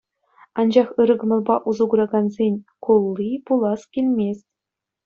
Анчах ырӑ кӑмӑлпа усӑ куракансен кулли пулас килмест...